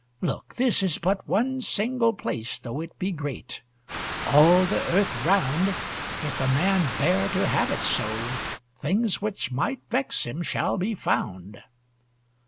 Look, this is but one single place, Though it be great; all the earth round, If a man bear to have it so, Things which might vex him shall be found.